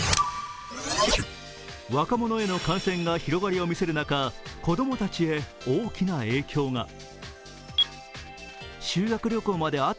若者への感染が広がりを見せる中、子供たちへ大きな影響が。